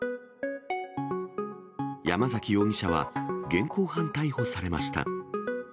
山崎容疑者は現行犯逮捕されました。